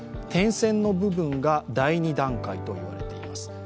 点線の部分が第２段階と言われています。